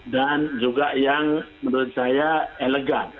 dan juga yang menurut saya elegan